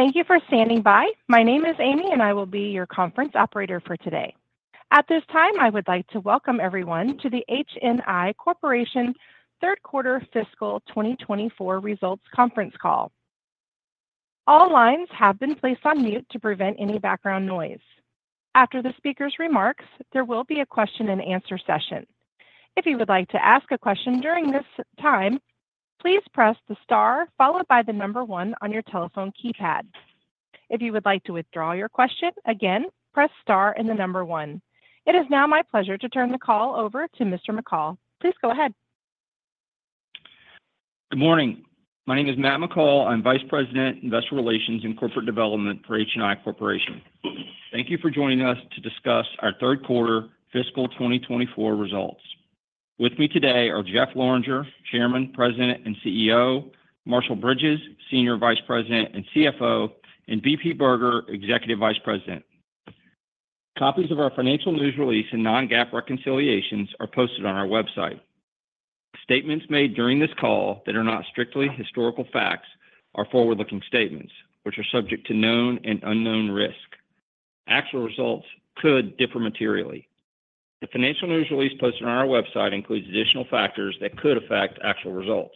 Thank you for standing by. My name is Amy, and I will be your conference operator for today. At this time, I would like to welcome everyone to the HNI Corporation Third Quarter Fiscal 2024 Results Conference Call. All lines have been placed on mute to prevent any background noise. After the speaker's remarks, there will be a question-and-answer session. If you would like to ask a question during this time, please press the star followed by the number one on your telephone keypad. If you would like to withdraw your question, again, press star and the number one. It is now my pleasure to turn the call over to Mr. McCall. Please go ahead. Good morning. My name is Matt McCall. I'm Vice President, Investor Relations and Corporate Development for HNI Corporation. Thank you for joining us to discuss our Third Quarter Fiscal 2024 results. With me today are Jeff Lorenger, Chairman, President, and CEO; Marshall Bridges, Senior Vice President and CFO; and V.P. Berger, Executive Vice President. Copies of our financial news release and non-GAAP reconciliations are posted on our website. Statements made during this call that are not strictly historical facts are forward-looking statements, which are subject to known and unknown risk. Actual results could differ materially. The financial news release posted on our website includes additional factors that could affect actual results.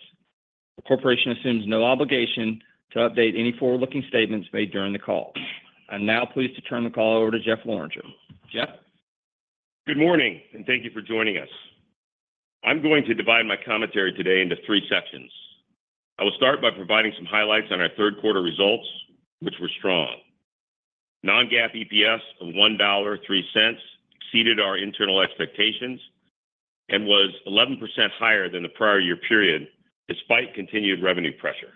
The corporation assumes no obligation to update any forward-looking statements made during the call. I'm now pleased to turn the call over to Jeff Lorenger. Jeff? Good morning, and thank you for joining us. I'm going to divide my commentary today into three sections. I will start by providing some highlights on our third quarter results, which were strong. Non-GAAP EPS of $1.03 exceeded our internal expectations and was 11% higher than the prior year period, despite continued revenue pressure.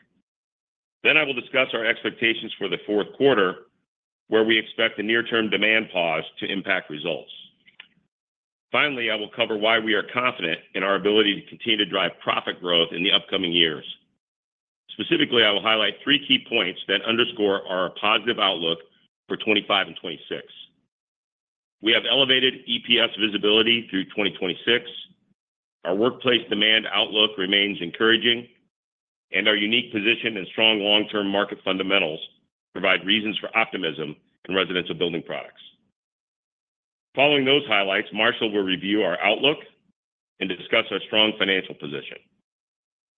Then I will discuss our expectations for the fourth quarter, where we expect the near-term demand pause to impact results. Finally, I will cover why we are confident in our ability to continue to drive profit growth in the upcoming years. Specifically, I will highlight three key points that underscore our positive outlook for 2025 and 2026. We have elevated EPS visibility through 2026. Our workplace demand outlook remains encouraging, and our unique position and strong long-term market fundamentals provide reasons for optimism in residential building products. Following those highlights, Marshall will review our outlook and discuss our strong financial position.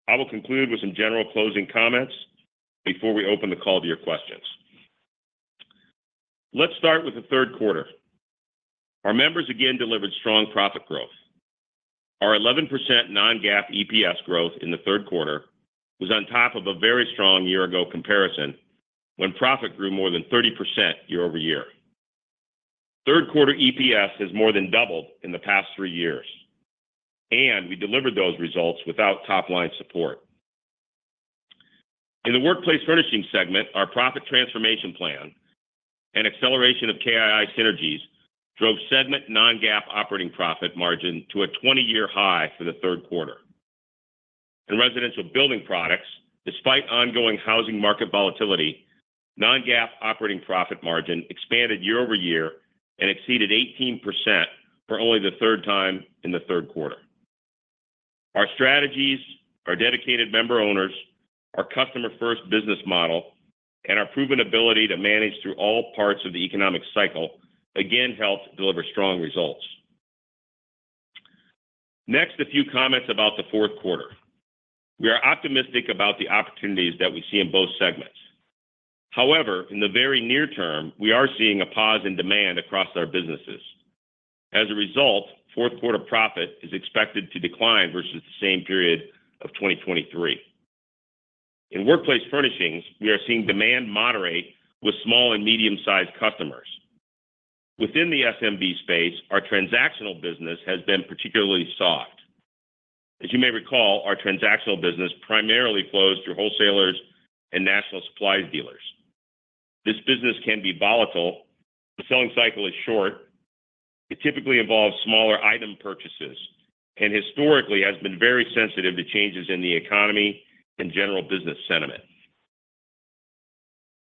I will conclude with some general closing comments before we open the call to your questions. Let's start with the third quarter. Our members again delivered strong profit growth. Our 11% non-GAAP EPS growth in the third quarter was on top of a very strong year-ago comparison when profit grew more than 30% year-over-year. Third quarter EPS has more than doubled in the past three years, and we delivered those results without top-line support. In the workplace furnishing segment, our profit transformation plan and acceleration of KII synergies drove segment non-GAAP operating profit margin to a 20-year high for the third quarter. In residential building products, despite ongoing housing market volatility, non-GAAP operating profit margin expanded year-over-year and exceeded 18% for only the third time in the third quarter. Our strategies, our dedicated member owners, our customer-first business model, and our proven ability to manage through all parts of the economic cycle again helped deliver strong results. Next, a few comments about the fourth quarter. We are optimistic about the opportunities that we see in both segments. However, in the very near term, we are seeing a pause in demand across our businesses. As a result, fourth quarter profit is expected to decline versus the same period of 2023. In workplace furnishings, we are seeing demand moderate with small and medium-sized customers. Within the SMB space, our transactional business has been particularly soft. As you may recall, our transactional business primarily flows through wholesalers and national supplies dealers. This business can be volatile. The selling cycle is short. It typically involves smaller item purchases and historically has been very sensitive to changes in the economy and general business sentiment.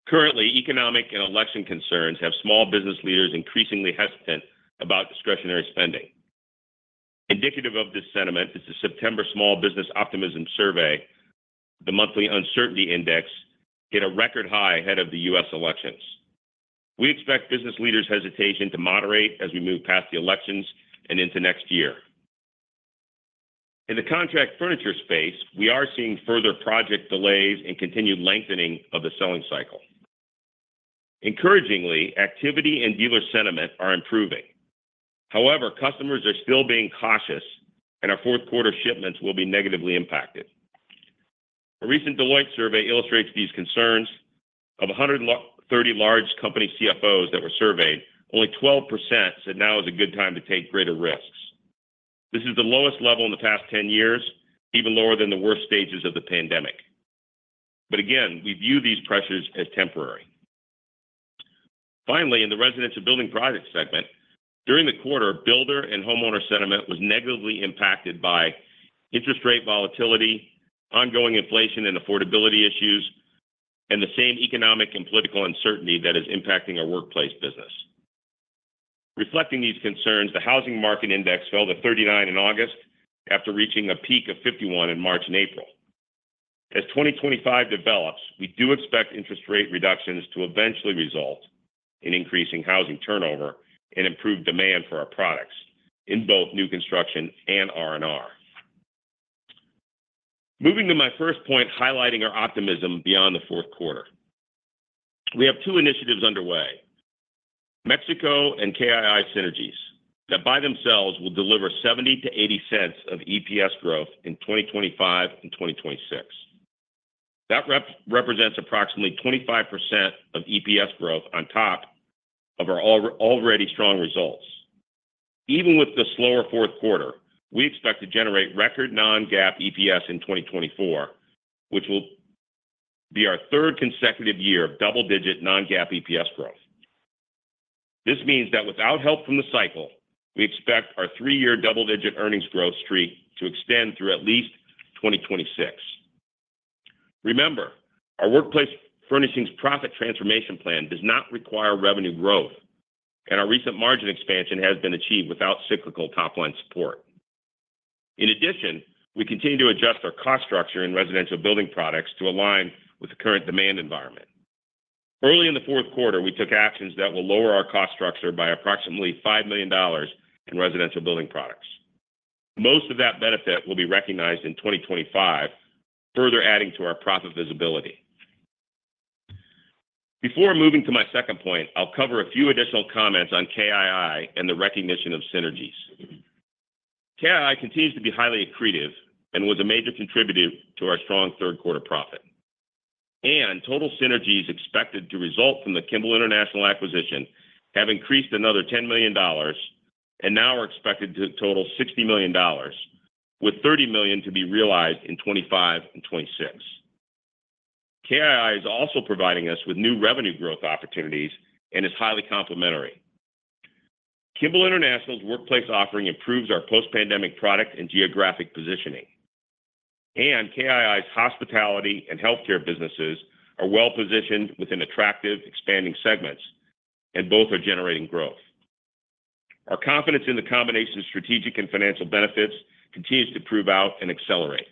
Currently, economic and election concerns have small business leaders increasingly hesitant about discretionary spending. Indicative of this sentiment is the September Small Business Optimism Survey. The monthly uncertainty index hit a record high ahead of the U.S. elections. We expect business leaders' hesitation to moderate as we move past the elections and into next year. In the contract furniture space, we are seeing further project delays and continued lengthening of the selling cycle. Encouragingly, activity and dealer sentiment are improving. However, customers are still being cautious, and our fourth quarter shipments will be negatively impacted. A recent Deloitte survey illustrates these concerns. Of 130 large company CFOs that were surveyed, only 12% said now is a good time to take greater risks. This is the lowest level in the past 10 years, even lower than the worst stages of the pandemic, but again, we view these pressures as temporary. Finally, in the residential building products segment, during the quarter, builder and homeowner sentiment was negatively impacted by interest rate volatility, ongoing inflation and affordability issues, and the same economic and political uncertainty that is impacting our workplace business. Reflecting these concerns, the Housing Market Index fell to 39 in August after reaching a peak of 51 in March and April. As 2025 develops, we do expect interest rate reductions to eventually result in increasing housing turnover and improved demand for our products in both new construction and R&R. Moving to my first point, highlighting our optimism beyond the fourth quarter. We have two initiatives underway: Mexico and KII synergies that by themselves will deliver $0.70-$0.80 of EPS growth in 2025 and 2026. That represents approximately 25% of EPS growth on top of our already strong results. Even with the slower fourth quarter, we expect to generate record non-GAAP EPS in 2024, which will be our third consecutive year of double-digit non-GAAP EPS growth. This means that without help from the cycle, we expect our three-year double-digit earnings growth streak to extend through at least 2026. Remember, our workplace furnishings profit transformation plan does not require revenue growth, and our recent margin expansion has been achieved without cyclical top-line support. In addition, we continue to adjust our cost structure in residential building products to align with the current demand environment. Early in the fourth quarter, we took actions that will lower our cost structure by approximately $5 million in residential building products. Most of that benefit will be recognized in 2025, further adding to our profit visibility. Before moving to my second point, I'll cover a few additional comments on KII and the recognition of synergies. KII continues to be highly accretive and was a major contributor to our strong third quarter profit, and total synergies expected to result from the Kimball International acquisition have increased another $10 million and now are expected to total $60 million, with $30 million to be realized in 2025 and 2026. KII is also providing us with new revenue growth opportunities and is highly complementary. Kimball International's workplace offering improves our post-pandemic product and geographic positioning, and KII's hospitality and healthcare businesses are well-positioned within attractive, expanding segments, and both are generating growth. Our confidence in the combination of strategic and financial benefits continues to prove out and accelerate.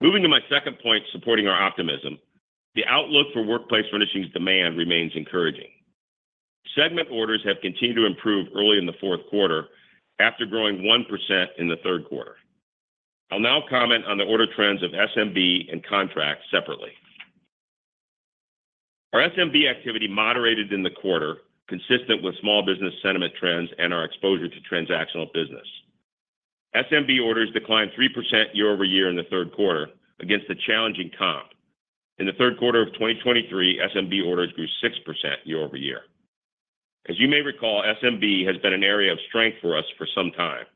Moving to my second point supporting our optimism, the outlook for workplace furnishings demand remains encouraging. Segment orders have continued to improve early in the fourth quarter after growing 1% in the third quarter. I'll now comment on the order trends of SMB and contract separately. Our SMB activity moderated in the quarter, consistent with small business sentiment trends and our exposure to transactional business. SMB orders declined 3% year-over-year in the third quarter against a challenging comp. In the third quarter of 2023, SMB orders grew 6% year-over-year. As you may recall, SMB has been an area of strength for us for some time.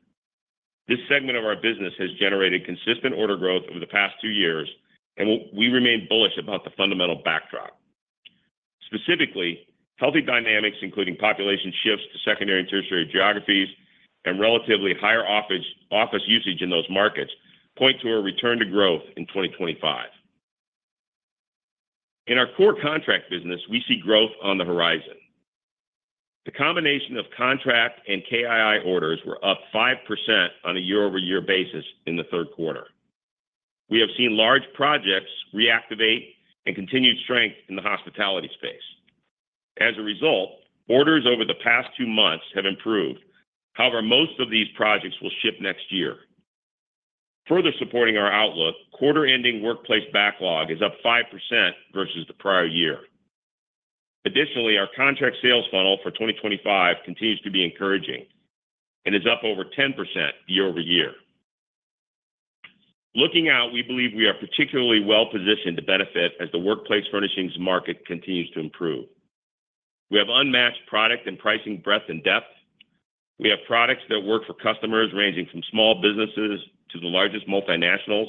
This segment of our business has generated consistent order growth over the past two years, and we remain bullish about the fundamental backdrop. Specifically, healthy dynamics, including population shifts to secondary and tertiary geographies and relatively higher office usage in those markets, point to a return to growth in 2025. In our core contract business, we see growth on the horizon. The combination of contract and KII orders were up 5% on a year-over-year basis in the third quarter. We have seen large projects reactivate and continued strength in the hospitality space. As a result, orders over the past two months have improved. However, most of these projects will ship next year. Further supporting our outlook, quarter-ending workplace backlog is up 5% versus the prior year. Additionally, our contract sales funnel for 2025 continues to be encouraging and is up over 10% year-over-year. Looking out, we believe we are particularly well-positioned to benefit as the workplace furnishings market continues to improve. We have unmatched product and pricing breadth and depth. We have products that work for customers ranging from small businesses to the largest multinationals.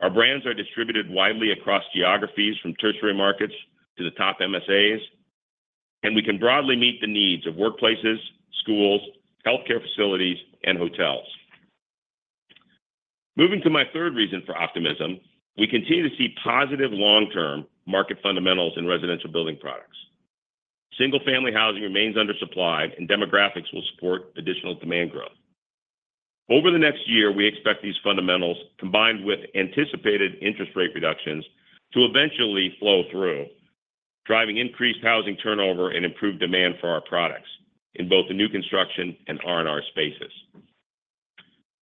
Our brands are distributed widely across geographies from tertiary markets to the top MSAs, and we can broadly meet the needs of workplaces, schools, healthcare facilities, and hotels. Moving to my third reason for optimism, we continue to see positive long-term market fundamentals in residential building products. Single-family housing remains undersupplied, and demographics will support additional demand growth. Over the next year, we expect these fundamentals, combined with anticipated interest rate reductions, to eventually flow through, driving increased housing turnover and improved demand for our products in both the new construction and R&R spaces.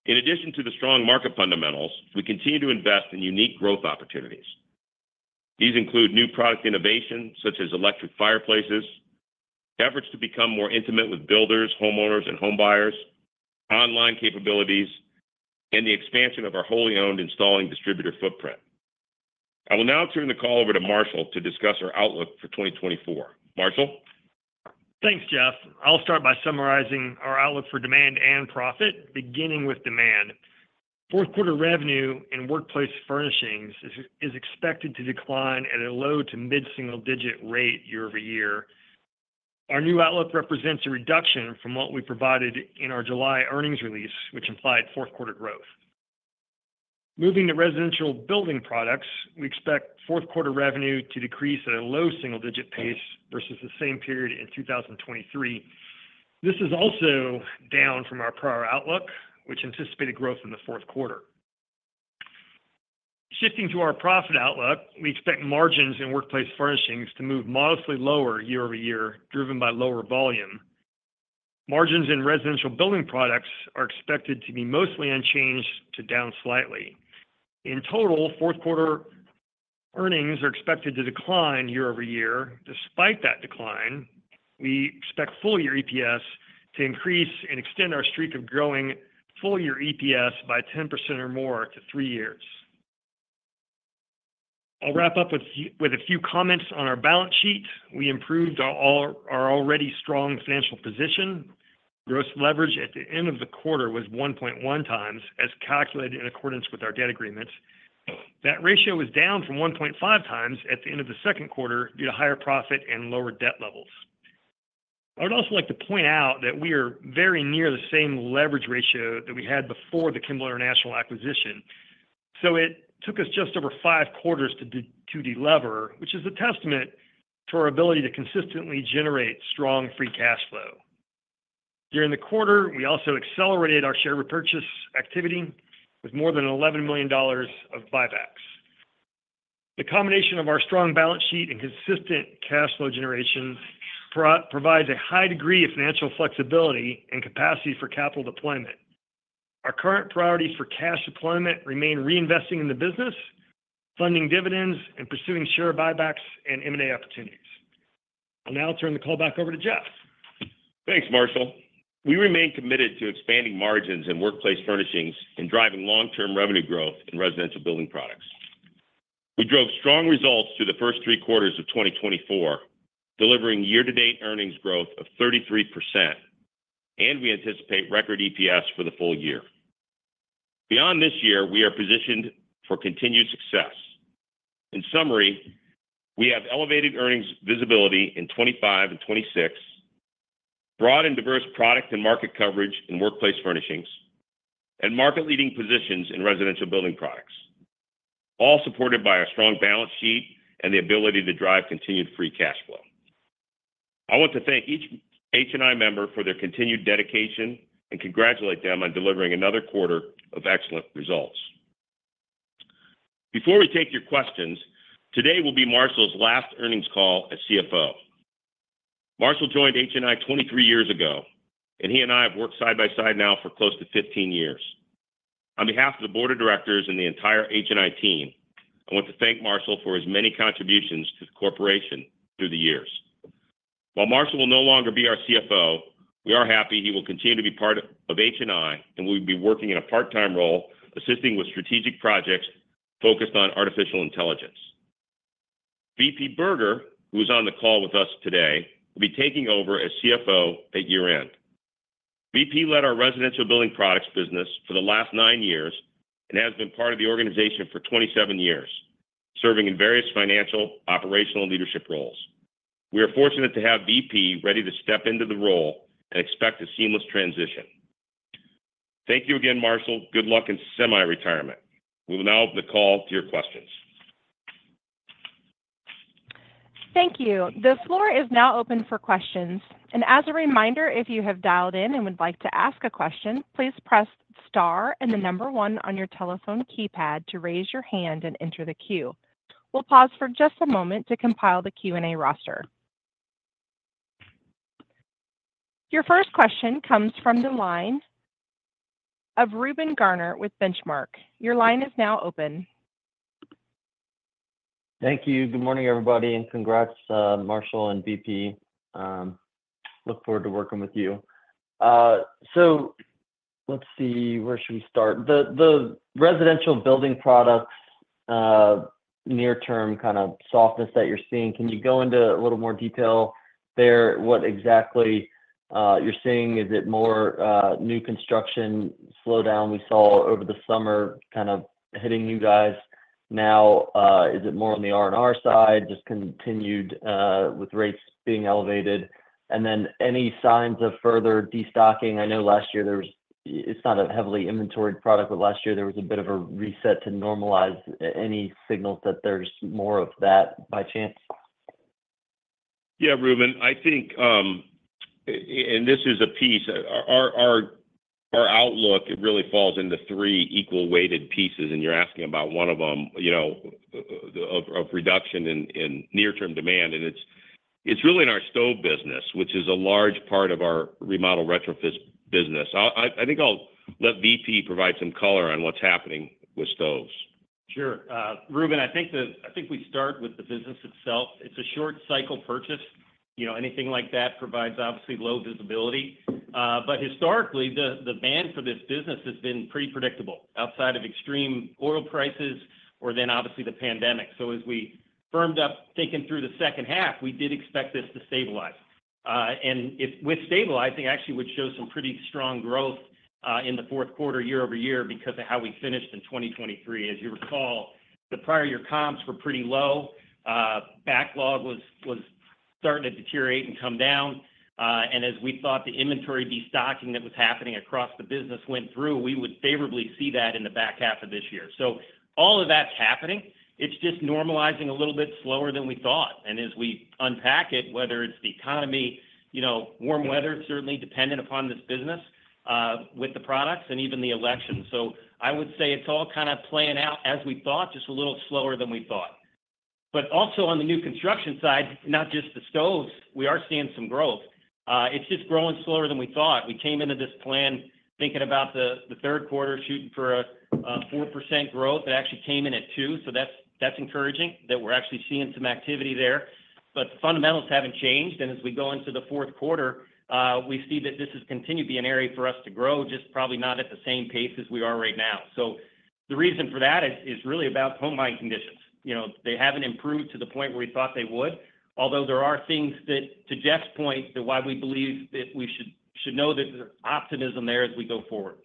In addition to the strong market fundamentals, we continue to invest in unique growth opportunities. These include new product innovations such as electric fireplaces, efforts to become more intimate with builders, homeowners, and homebuyers, online capabilities, and the expansion of our wholly owned installing distributor footprint. I will now turn the call over to Marshall to discuss our outlook for 2024. Marshall? Thanks, Jeff. I'll start by summarizing our outlook for demand and profit, beginning with demand. Fourth quarter revenue in workplace furnishings is expected to decline at a low to mid-single-digit rate year-over-year. Our new outlook represents a reduction from what we provided in our July earnings release, which implied fourth quarter growth. Moving to residential building products, we expect fourth quarter revenue to decrease at a low single-digit pace versus the same period in 2023. This is also down from our prior outlook, which anticipated growth in the fourth quarter. Shifting to our profit outlook, we expect margins in workplace furnishings to move modestly lower year-over-year, driven by lower volume. Margins in residential building products are expected to be mostly unchanged to down slightly. In total, fourth quarter earnings are expected to decline year-over-year. Despite that decline, we expect full-year EPS to increase and extend our streak of growing full-year EPS by 10% or more to three years. I'll wrap up with a few comments on our balance sheet. We improved our already strong financial position. Gross leverage at the end of the quarter was 1.1 times, as calculated in accordance with our debt agreements. That ratio was down from 1.5 times at the end of the second quarter due to higher profit and lower debt levels. I would also like to point out that we are very near the same leverage ratio that we had before the Kimball International acquisition. So it took us just over five quarters to delever, which is a testament to our ability to consistently generate strong free cash flow. During the quarter, we also accelerated our share repurchase activity with more than $11 million of buybacks. The combination of our strong balance sheet and consistent cash flow generation provides a high degree of financial flexibility and capacity for capital deployment. Our current priorities for cash deployment remain reinvesting in the business, funding dividends, and pursuing share buybacks and M&A opportunities. I'll now turn the call back over to Jeff. Thanks, Marshall. We remain committed to expanding margins in workplace furnishings and driving long-term revenue growth in residential building products. We drove strong results through the first three quarters of 2024, delivering year-to-date earnings growth of 33%, and we anticipate record EPS for the full year. Beyond this year, we are positioned for continued success. In summary, we have elevated earnings visibility in 2025 and 2026, broadened diverse product and market coverage in workplace furnishings, and market-leading positions in residential building products, all supported by our strong balance sheet and the ability to drive continued free cash flow. I want to thank each HNI member for their continued dedication and congratulate them on delivering another quarter of excellent results. Before we take your questions, today will be Marshall's last earnings call as CFO. Marshall joined HNI 23 years ago, and he and I have worked side by side now for close to 15 years. On behalf of the board of directors and the entire HNI team, I want to thank Marshall for his many contributions to the corporation through the years. While Marshall will no longer be our CFO, we are happy he will continue to be part of HNI, and we will be working in a part-time role assisting with strategic projects focused on artificial intelligence. V.P. Berger, who is on the call with us today, will be taking over as CFO at year-end. V.P. led our residential building products business for the last nine years and has been part of the organization for 27 years, serving in various financial, operational, and leadership roles. We are fortunate to have V.P. ready to step into the role and expect a seamless transition. Thank you again, Marshall. Good luck in semi-retirement. We will now open the call to your questions. Thank you. The floor is now open for questions. And as a reminder, if you have dialed in and would like to ask a question, please press star and the number one on your telephone keypad to raise your hand and enter the queue. We'll pause for just a moment to compile the Q&A roster. Your first question comes from the line of Reuben Garner with Benchmark. Your line is now open. Thank you. Good morning, everybody, and congrats, Marshall and V.P. Look forward to working with you. So let's see. Where should we start? The residential building products near-term kind of softness that you're seeing, can you go into a little more detail there? What exactly you're seeing? Is it more new construction slowdown we saw over the summer kind of hitting you guys? Now, is it more on the R&R side, just continued with rates being elevated? And then any signs of further destocking? I know last year there was, it's not a heavily inventoried product, but last year there was a bit of a reset to normalize any signals that there's more of that by chance? Yeah, Reuben, I think, and this is a piece, our outlook really falls into three equal-weighted pieces, and you're asking about one of them of reduction in near-term demand. And it's really in our stove business, which is a large part of our remodel retrofit business. I think I'll let V.P. provide some color on what's happening with stoves. Sure. Reuben, I think we start with the business itself. It's a short-cycle purchase. Anything like that provides obviously low visibility. But historically, the demand for this business has been pretty predictable outside of extreme oil prices or then obviously the pandemic. So as we firmed up thinking through the second half, we did expect this to stabilize, and with stabilizing, actually, we'd show some pretty strong growth in the fourth quarter year-over-year because of how we finished in 2023. As you recall, the prior-year comps were pretty low. Backlog was starting to deteriorate and come down, and as we thought the inventory destocking that was happening across the business went through, we would favorably see that in the back half of this year. So all of that's happening. It's just normalizing a little bit slower than we thought. As we unpack it, whether it's the economy, warm weather, certainly dependent upon this business with the products, and even the election. I would say it's all kind of playing out as we thought, just a little slower than we thought. Also on the new construction side, not just the stoves, we are seeing some growth. It's just growing slower than we thought. We came into this plan thinking about the third quarter shooting for a 4% growth. It actually came in at 2%. That's encouraging that we're actually seeing some activity there. The fundamentals haven't changed. As we go into the fourth quarter, we see that this has continued to be an area for us to grow, just probably not at the same pace as we are right now. The reason for that is really about home buying conditions. They haven't improved to the point where we thought they would, although there are things that, to Jeff's point, that's why we believe that we should know that there's optimism there as we go forward.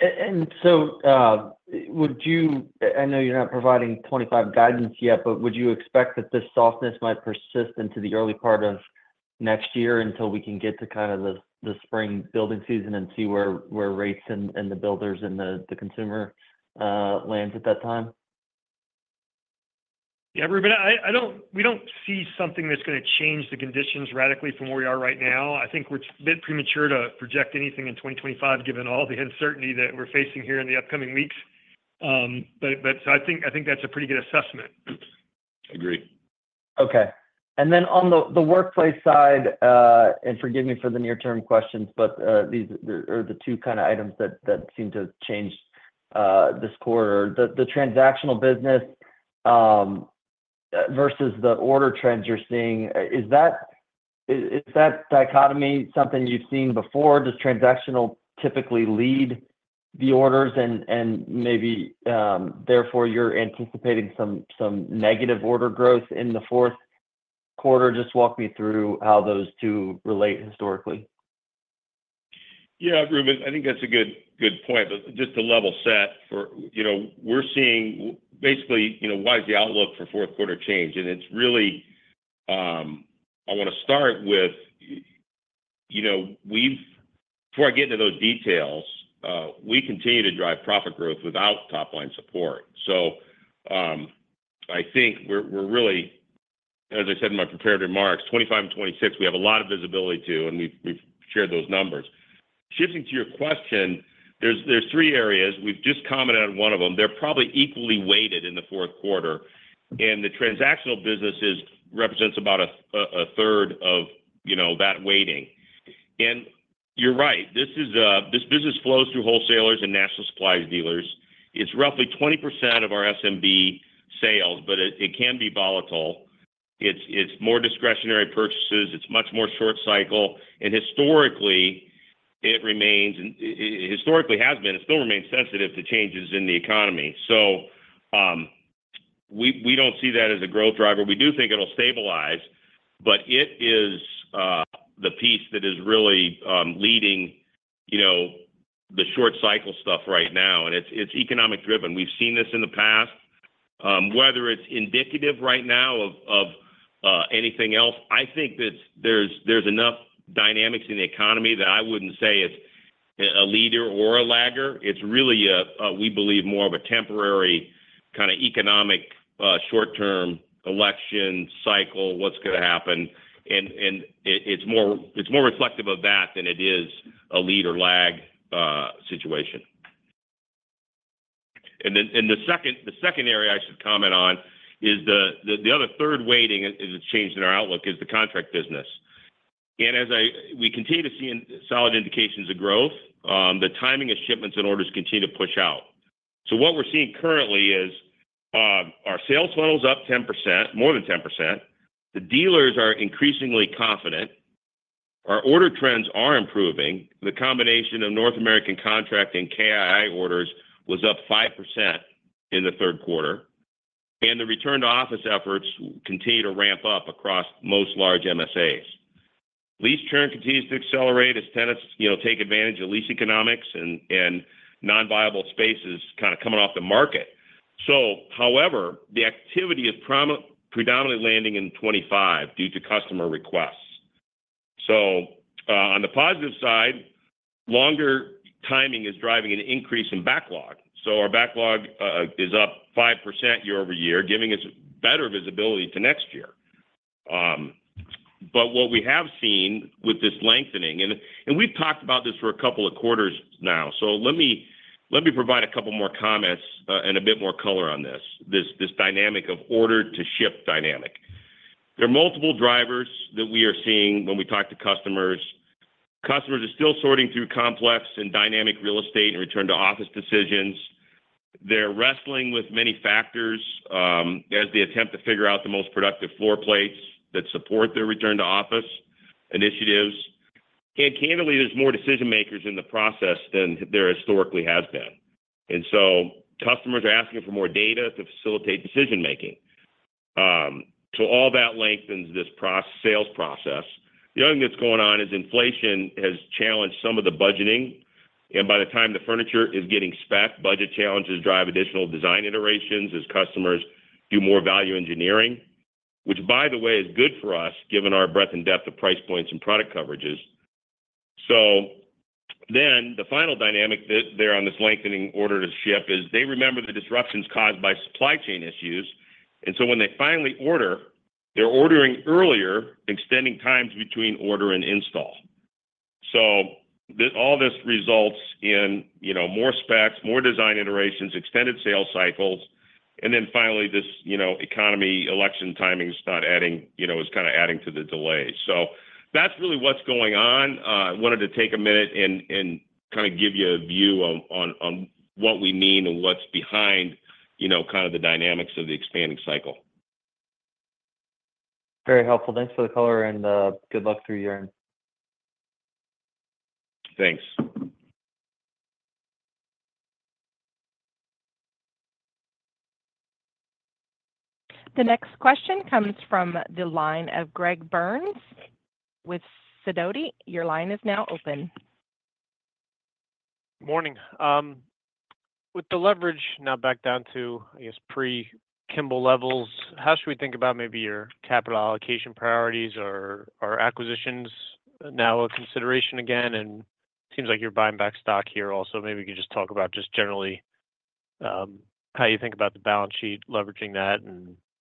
And so would you, I know you're not providing 2025 guidance yet, but would you expect that this softness might persist into the early part of next year until we can get to kind of the spring building season and see where rates and the builders and the consumer lands at that time? Yeah, Ruben, we don't see something that's going to change the conditions radically from where we are right now. I think we're a bit premature to project anything in 2025, given all the uncertainty that we're facing here in the upcoming weeks. But so I think that's a pretty good assessment. Agreed. Okay. And then on the workplace side, and forgive me for the near-term questions, but these are the two kind of items that seem to change this quarter. The transactional business versus the order trends you're seeing, is that dichotomy something you've seen before? Does transactional typically lead the orders and maybe therefore you're anticipating some negative order growth in the fourth quarter? Just walk me through how those two relate historically. Yeah, Reuben, I think that's a good point. Just to level set, we're seeing basically why is the outlook for fourth quarter changed? And it's really, I want to start with, before I get into those details, we continue to drive profit growth without top-line support. So I think we're really, as I said in my prepared remarks, 2025 and 2026, we have a lot of visibility to, and we've shared those numbers. Shifting to your question, there's three areas. We've just commented on one of them. They're probably equally weighted in the fourth quarter. And the transactional business represents about a third of that weighting. And you're right. This business flows through wholesalers and national supplies dealers. It's roughly 20% of our SMB sales, but it can be volatile. It's more discretionary purchases. It's much more short-cycle. Historically, it has been and still remains sensitive to changes in the economy. We don't see that as a growth driver. We do think it'll stabilize, but it is the piece that is really leading the short-cycle stuff right now. It's economic-driven. We've seen this in the past. Whether it's indicative right now of anything else, I think that there's enough dynamics in the economy that I wouldn't say it's a leader or a laggard. It's really, we believe, more of a temporary kind of economic short-term election cycle, what's going to happen. It's more reflective of that than it is a lead or lag situation. The second area I should comment on is the other third weighting that's changed in our outlook is the contract business. And as we continue to see solid indications of growth, the timing of shipments and orders continue to push out. So what we're seeing currently is our sales funnel's up 10%, more than 10%. The dealers are increasingly confident. Our order trends are improving. The combination of North American contract and KII orders was up 5% in the third quarter. And the return to office efforts continue to ramp up across most large MSAs. Lease churn continues to accelerate as tenants take advantage of lease economics and non-viable spaces kind of coming off the market. So, however, the activity is predominantly landing in 2025 due to customer requests. So on the positive side, longer timing is driving an increase in backlog. So our backlog is up 5% year-over-year, giving us better visibility to next year. But what we have seen with this lengthening, and we've talked about this for a couple of quarters now, so let me provide a couple more comments and a bit more color on this, this dynamic of order-to-ship dynamic. There are multiple drivers that we are seeing when we talk to customers. Customers are still sorting through complex and dynamic real estate and return-to-office decisions. They're wrestling with many factors as they attempt to figure out the most productive floor plates that support their return-to-office initiatives. And candidly, there's more decision-makers in the process than there historically has been. And so customers are asking for more data to facilitate decision-making. So all that lengthens this sales process. The other thing that's going on is inflation has challenged some of the budgeting. And by the time the furniture is getting specced, budget challenges drive additional design iterations as customers do more value engineering, which, by the way, is good for us given our breadth and depth of price points and product coverages. So then the final dynamic there on this lengthening order-to-ship is they remember the disruptions caused by supply chain issues. And so when they finally order, they're ordering earlier, extending times between order and install. So all this results in more specs, more design iterations, extended sales cycles. And then finally, this economy election timing is kind of adding to the delay. So that's really what's going on. I wanted to take a minute and kind of give you a view on what we mean and what's behind kind of the dynamics of the expanding cycle. Very helpful. Thanks for the color and good luck through year-end. Thanks. The next question comes from the line of Greg Burns with Sidoti. Your line is now open. Morning. With the leverage now back down to, I guess, pre-Kimball levels, how should we think about maybe your capital allocation priorities or acquisitions now a consideration again, and it seems like you're buying back stock here also. Maybe we could just talk about generally how you think about the balance sheet, leveraging that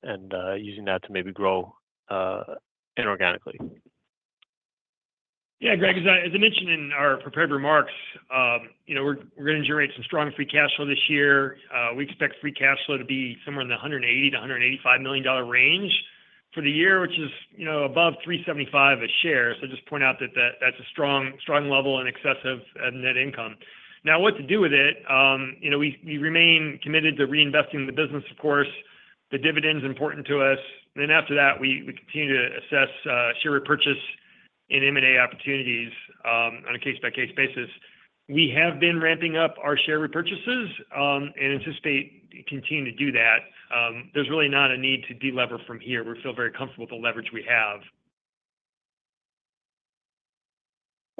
and using that to maybe grow inorganically. Yeah, Greg, as I mentioned in our prepared remarks, we're going to generate some strong free cash flow this year. We expect free cash flow to be somewhere in the $180-$185 million range for the year, which is above $375 a share. So just point out that that's a strong level and excessive net income. Now, what to do with it? We remain committed to reinvesting the business, of course. The dividend's important to us. And then after that, we continue to assess share repurchase and M&A opportunities on a case-by-case basis. We have been ramping up our share repurchases and anticipate continuing to do that. There's really not a need to delever from here. We feel very comfortable with the leverage we have.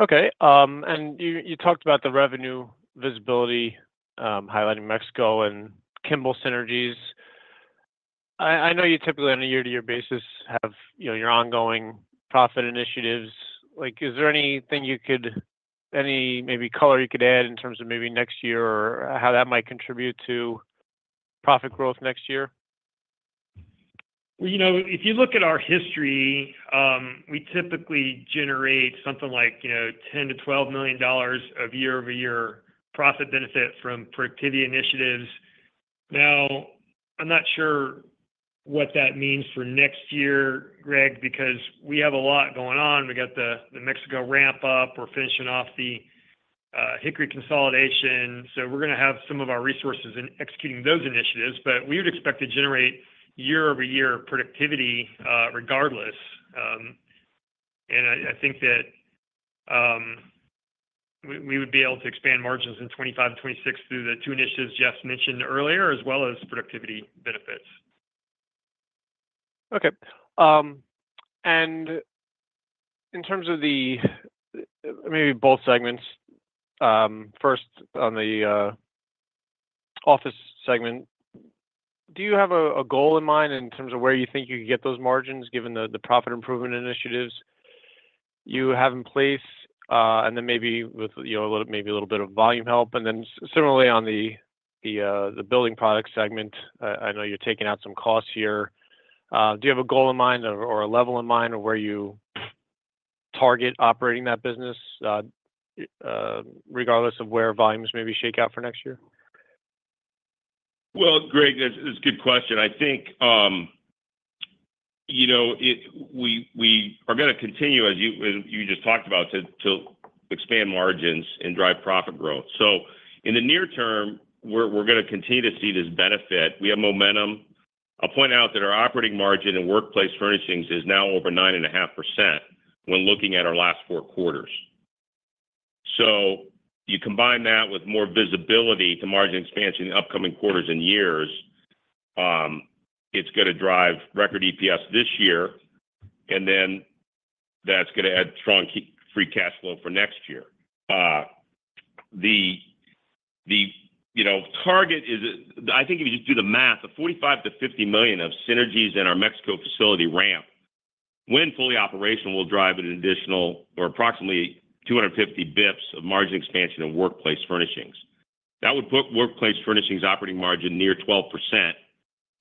Okay. And you talked about the revenue visibility highlighting Mexico and Kimball synergies. I know you typically, on a year-to-year basis, have your ongoing profit initiatives. Is there anything you could, any maybe color you could add in terms of maybe next year or how that might contribute to profit growth next year? If you look at our history, we typically generate something like $10-$12 million of year-over-year profit benefit from productivity initiatives. Now, I'm not sure what that means for next year, Greg, because we have a lot going on. We got the Mexico ramp-up. We're finishing off the Hickory consolidation. So we're going to have some of our resources in executing those initiatives. But we would expect to generate year-over-year productivity regardless. And I think that we would be able to expand margins in 2025 and 2026 through the two initiatives Jeff mentioned earlier, as well as productivity benefits. Okay. And in terms of the maybe both segments, first on the office segment, do you have a goal in mind in terms of where you think you can get those margins given the profit improvement initiatives you have in place? And then maybe with maybe a little bit of volume help. And then similarly on the building product segment, I know you're taking out some costs here. Do you have a goal in mind or a level in mind of where you target operating that business regardless of where volumes maybe shake out for next year? Greg, that's a good question. I think we are going to continue, as you just talked about, to expand margins and drive profit growth. So in the near term, we're going to continue to see this benefit. We have momentum. I'll point out that our operating margin in workplace furnishings is now over 9.5% when looking at our last four quarters. So you combine that with more visibility to margin expansion in upcoming quarters and years, it's going to drive record EPS this year. And then that's going to add strong free cash flow for next year. The target is, I think if you just do the math, the $45-$50 million of synergies in our Mexico facility ramp, when fully operational, will drive an additional or approximately 250 basis points of margin expansion in workplace furnishings. That would put workplace furnishings operating margin near 12%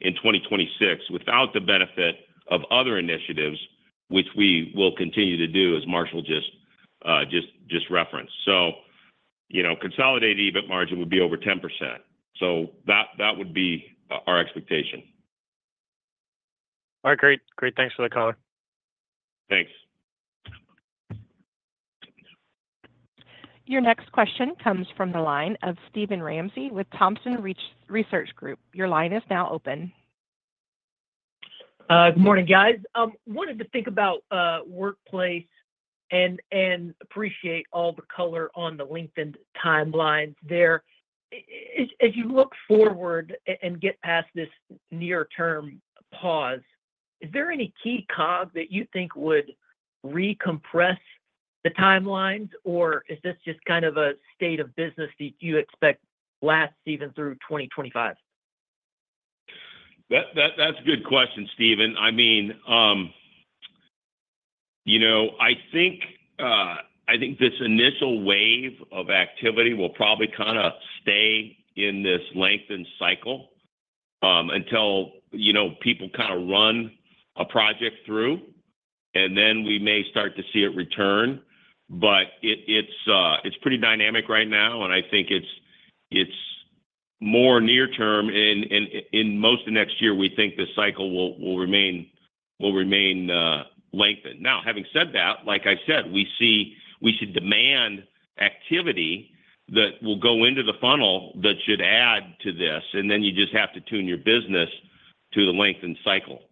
in 2026 without the benefit of other initiatives, which we will continue to do, as Marshall just referenced. So consolidated EBIT margin would be over 10%. So that would be our expectation. All right. Great. Great. Thanks for the call. Thanks. Your next question comes from the line of Steven Ramsey with Thompson Research Group. Your line is now open. Good morning, guys. Wanted to thank about workplace and appreciate all the color on the lead times there. As you look forward and get past this near-term pause, is there any key cog that you think would recompress the timelines, or is this just kind of a state of business that you expect lasts even through 2025? That's a good question, Steven. I mean, I think this initial wave of activity will probably kind of stay in this lengthened cycle until people kind of run a project through, and then we may start to see it return. But it's pretty dynamic right now, and I think it's more near-term. And in most of next year, we think the cycle will remain lengthened. Now, having said that, like I said, we see demand activity that will go into the funnel that should add to this. And then you just have to tune your business to the lengthened cycle.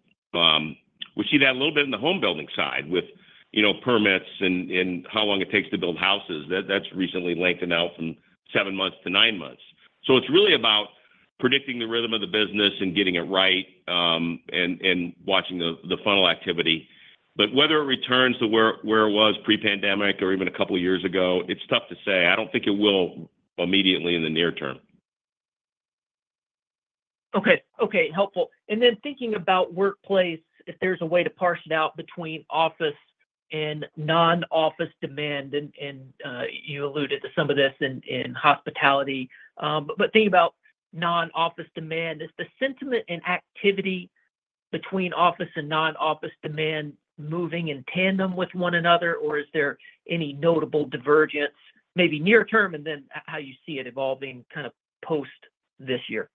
We see that a little bit in the home-building side with permits and how long it takes to build houses. That's recently lengthened out from seven months to nine months. So it's really about predicting the rhythm of the business and getting it right and watching the funnel activity. But whether it returns to where it was pre-pandemic or even a couple of years ago, it's tough to say. I don't think it will immediately in the near term. Thinking about workplace, if there's a way to parse it out between office and non-office demand, and you alluded to some of this in hospitality. But thinking about non-office demand, is the sentiment and activity between office and non-office demand moving in tandem with one another, or is there any notable divergence, maybe near-term, and then how you see it evolving kind of post this year?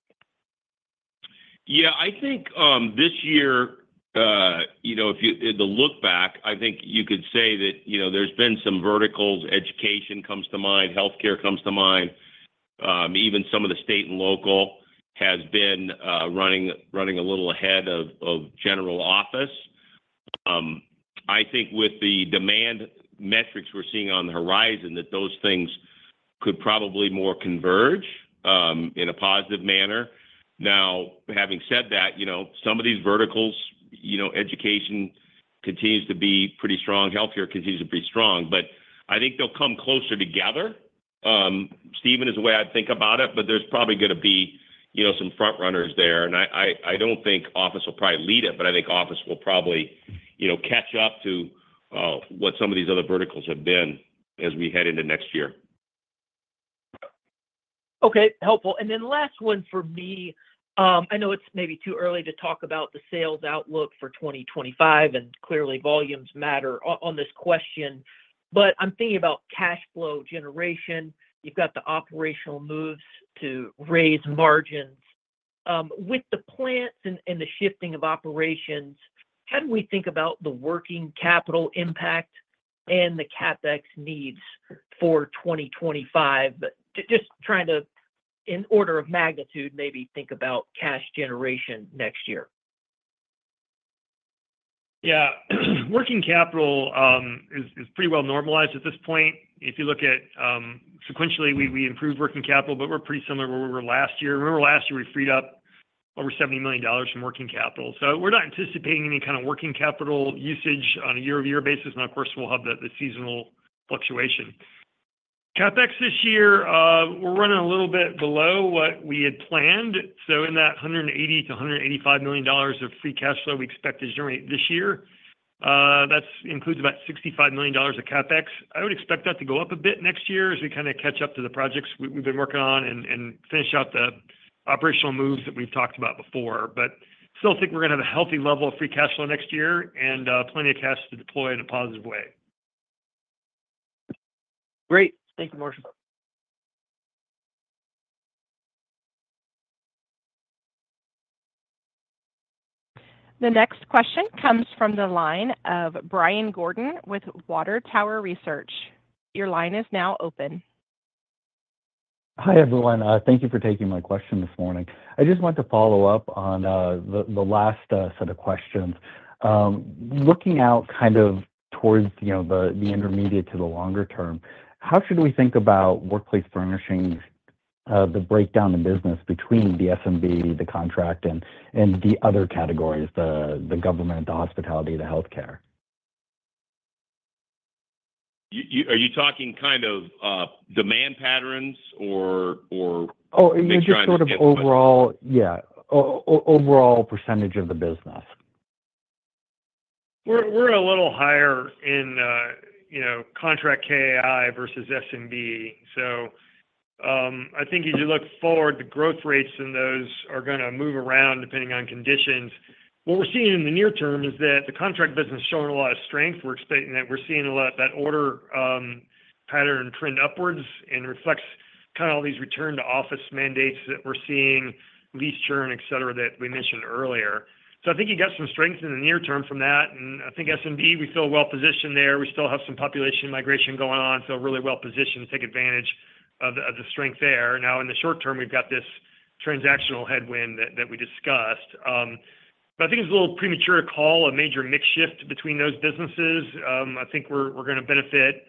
Yeah. I think this year, if you look back, I think you could say that there's been some verticals. Education comes to mind. Healthcare comes to mind. Even some of the state and local has been running a little ahead of general office. I think with the demand metrics we're seeing on the horizon, that those things could probably more converge in a positive manner. Now, having said that, some of these verticals, education continues to be pretty strong. Healthcare continues to be strong. But I think they'll come closer together, Steven, is the way I'd think about it. But there's probably going to be some front-runners there. And I don't think office will probably lead it, but I think office will probably catch up to what some of these other verticals have been as we head into next year. Okay. Helpful, and then last one for me. I know it's maybe too early to talk about the sales outlook for 2025, and clearly volumes matter on this question, but I'm thinking about cash flow generation. You've got the operational moves to raise margins. With the plants and the shifting of operations, how do we think about the working capital impact and the CapEx needs for 2025? Just trying to, in order of magnitude, maybe think about cash generation next year. Yeah. Working capital is pretty well normalized at this point. If you look at sequentially, we improved working capital, but we're pretty similar to where we were last year. Remember last year, we freed up over $70 million from working capital. So we're not anticipating any kind of working capital usage on a year-over-year basis. And of course, we'll have the seasonal fluctuation. CapEx this year, we're running a little bit below what we had planned. So in that $180-$185 million of free cash flow we expect to generate this year, that includes about $65 million of CapEx. I would expect that to go up a bit next year as we kind of catch up to the projects we've been working on and finish out the operational moves that we've talked about before. but still think we're going to have a healthy level of free cash flow next year and plenty of cash to deploy in a positive way. Great. Thank you, Marshall. The next question comes from the line of Brian Gordon with Water Tower Research. Your line is now open. Hi everyone. Thank you for taking my question this morning. I just want to follow up on the last set of questions. Looking out kind of towards the intermediate to the longer term, how should we think about workplace furnishings, the breakdown in business between the SMB, the contract, and the other categories, the government, the hospitality, the healthcare? Are you talking kind of demand patterns or maybe trying to figure out? Oh, maybe sort of overall, yeah, overall percentage of the business. We're a little higher in contract KII versus SMB. So I think as you look forward, the growth rates in those are going to move around depending on conditions. What we're seeing in the near term is that the contract business is showing a lot of strength. We're seeing that order pattern trend upwards and reflects kind of all these return-to-office mandates that we're seeing, lease churn, etc., that we mentioned earlier. So I think you got some strength in the near term from that. And I think SMB, we feel well-positioned there. We still have some population migration going on, so really well-positioned to take advantage of the strength there. Now, in the short term, we've got this transactional headwind that we discussed. But I think it's a little premature to call a major mix shift between those businesses. I think we're going to benefit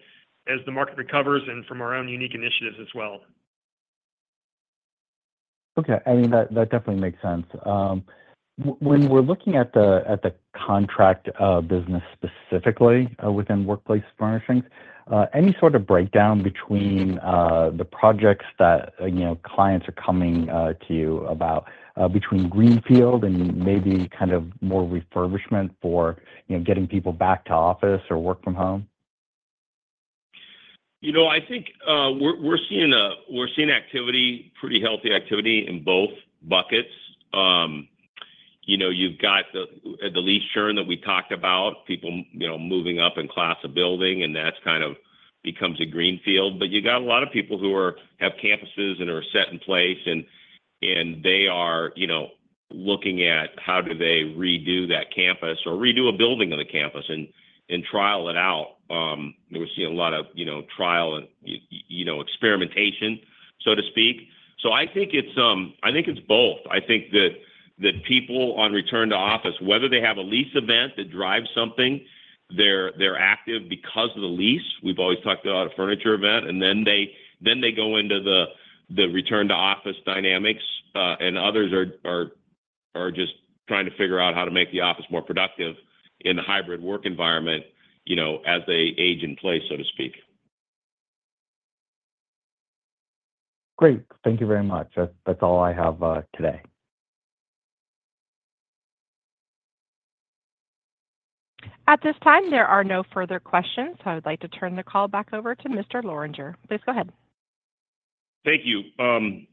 as the market recovers and from our own unique initiatives as well. Okay. I mean, that definitely makes sense. When we're looking at the contract business specifically within workplace furnishings, any sort of breakdown between the projects that clients are coming to you about between Greenfield and maybe kind of more refurbishment for getting people back to office or work from home? I think we're seeing activity, pretty healthy activity in both buckets. You've got the lease churn that we talked about, people moving up in class of building, and that kind of becomes a Greenfield. But you've got a lot of people who have campuses and are set in place, and they are looking at how do they redo that campus or redo a building of the campus and trial it out. We're seeing a lot of trial and experimentation, so to speak. So I think it's both. I think that people on return to office, whether they have a lease event that drives something, they're active because of the lease. We've always talked about a furniture event, and then they go into the return-to-office dynamics, and others are just trying to figure out how to make the office more productive in the hybrid work environment as they age in place, so to speak. Great. Thank you very much. That's all I have today. At this time, there are no further questions. I would like to turn the call back over to Mr. Lorenger. Please go ahead. Thank you.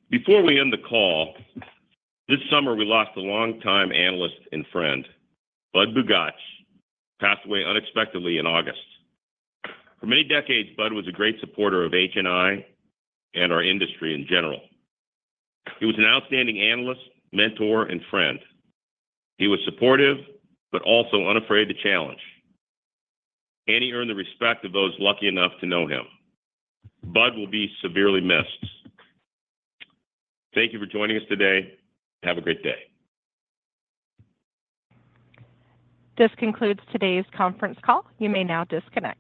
Before we end the call, this summer, we lost a long-time analyst and friend, Budd Bugatch, who passed away unexpectedly in August. For many decades, Bud was a great supporter of HNI and our industry in general. He was an outstanding analyst, mentor, and friend. He was supportive but also unafraid to challenge, and he earned the respect of those lucky enough to know him. Bud will be severely missed. Thank you for joining us today. Have a great day. This concludes today's conference call. You may now disconnect.